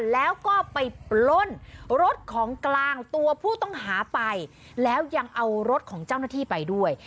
แล้วก็ไปปล้นรถของกลางตัวผู้ต้องหาไปแล้วยังเอารถของเจ้าหน้าที่ไปด้วย